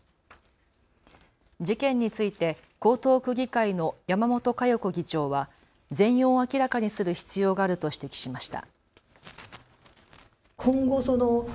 事件について江東区議会の山本香代子議長は全容を明らかにする必要があると指摘しました。